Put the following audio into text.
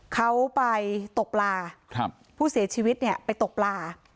เขาไปตกปลาผู้เสียชีวิตเนี่ยไปตกปลา